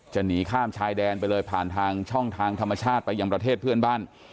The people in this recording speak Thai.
หนีข้ามชายแดนไปเลยผ่านทางช่องทางธรรมชาติไปยังประเทศเพื่อนบ้าน